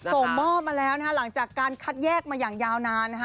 ส่งมอบมาแล้วนะคะหลังจากการคัดแยกมาอย่างยาวนานนะคะ